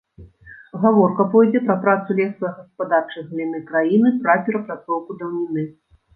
Гаворка пойдзе пра працу лесагаспадарчай галіны краіны, пра перапрацоўку драўніны.